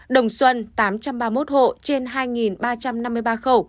đồng xuân tám trăm ba mươi một hộ trên hai ba trăm năm mươi ba khẩu